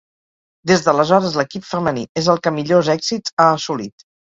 Des d'aleshores l'equip femení és el que millors èxits ha assolit.